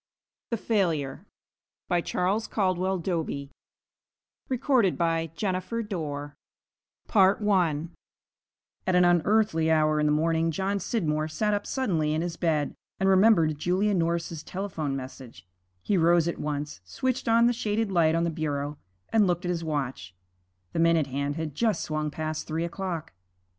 THE FAILURE BY CHARLES CALDWELL DOBIE I At an unearthly hour in the morning John Scidmore sat up suddenly in his bed and remembered Julia Norris's telephone message. He rose at once, switched on the shaded light on the bureau, and looked at his watch: the minute hand had just swung past three o'clock.